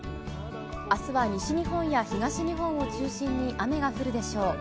あすは西日本や東日本を中心に雨が降るでしょう。